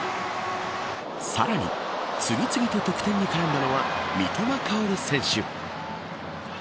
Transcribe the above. さらに次々と得点に絡んだのは三笘薫選手。